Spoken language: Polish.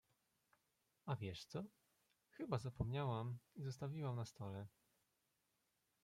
A wiesz co, chyba zapomniałam i zostawiłam na stole.